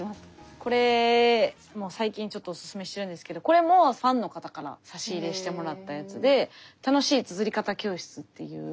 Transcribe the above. これ最近ちょっとおすすめしてるんですけどこれもファンの方から差し入れしてもらったやつで「楽しい『つづり方』教室」っていう。